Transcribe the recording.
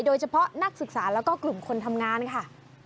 โดยเฉพาะนักศึกษาแล้วก็กลุ่มคนทำงานค่ะ